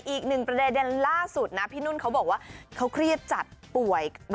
อีกหนึ่งประเด็นล่าสุดนะพี่นุ่นเขาบอกว่าเขาเครียดจัดป่วย